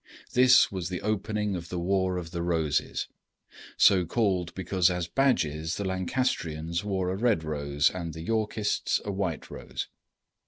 This was the opening of the War of the Roses, so called because as badges the Lancastrians wore a red rose and the Yorkists a white rose.